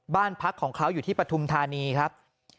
บ้านพักของเขาอยู่ที่ปฐุมธานีครับ